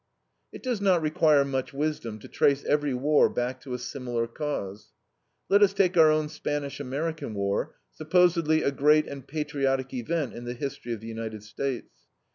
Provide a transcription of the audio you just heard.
It does not require much wisdom to trace every war back to a similar cause. Let us take our own Spanish American war, supposedly a great and patriotic event in the history of the United States.